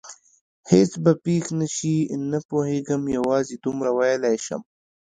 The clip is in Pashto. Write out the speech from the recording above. هېڅ به پېښ نه شي؟ نه پوهېږم، یوازې دومره ویلای شم.